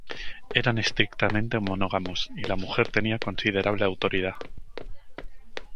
Eran estrictamente monógamos, y la mujer tenía considerable autoridad.